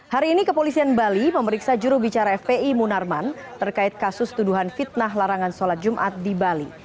hari ini kepolisian bali memeriksa jurubicara fpi munarman terkait kasus tuduhan fitnah larangan sholat jumat di bali